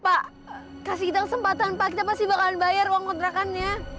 pak kasih kita kesempatan pak kita pasti bakalan bayar uang kontrakannya